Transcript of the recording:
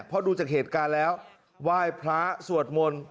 เพราะดูจากเหตุการณ์แล้วไหว้พระสวดมนต์